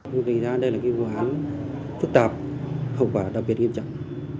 vì ra đây là cái vụ án phức tạp hậu quả đặc biệt nghiêm trọng